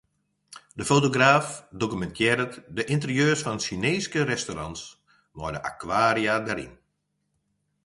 De fotograaf dokumintearret de ynterieurs fan Sjineeske restaurants mei de akwaria dêryn.